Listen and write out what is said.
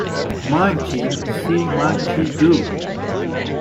Monkey see Monkey do.